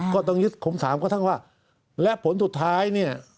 ก็ต้องยึดผมถามกระทั่งว่าและผลสุดท้ายเนี่ย